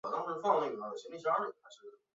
而私人持股公司将以现行股价收益比定价。